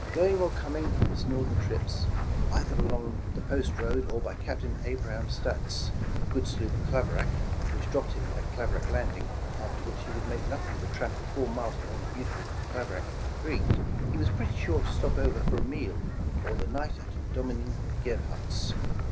Going or com ing from his northern trips, — either along the post road, or by Captain Abraham Staats good sloop "Clav erack, '' which dropped him at Claverack Landing, after which he would make nothing of a tramp of four miles along the beautiful Claverack Creek, — he was pretty sure to stop over for a meal or the night at Domine Gebhard's.